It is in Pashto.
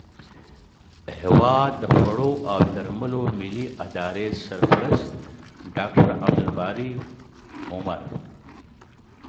هیواد د خوړو او درملو ملي ادارې سرپرست ډاکټر عبدالباري عمر